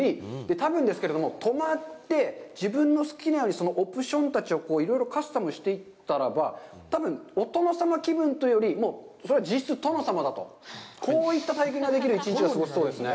多分ですけれども、泊まって自分の好きなようにオプションたちをいろいろカスタマイズさせていったらば、多分お殿様気分というより、実質殿様だという、こういった体験ができる一日が過ごせそうですね。